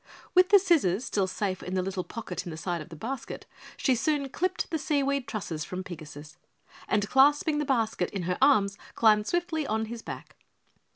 With the scissors, still safe in the little pocket in the side of the basket, she soon clipped the seaweed trusses from Pigasus, and clasping the basket in her arms climbed swiftly on his back.